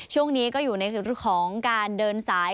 ช่วงนี้ก็อยู่ในของการเดินสาย